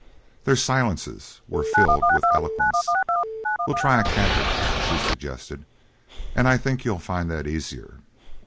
Their silences were filled with eloquence. "We'll try a canter," she suggested, "and I think you'll find that easier."